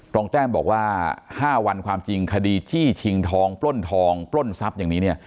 แต้มบอกว่า๕วันความจริงคดีจี้ชิงทองปล้นทองปล้นทรัพย์อย่างนี้เนี่ย